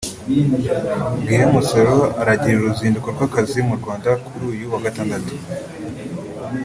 Guillaume Soro aragirira uruzinduko rw’akazi mu Rwanda kuri uyu wa Gatandatu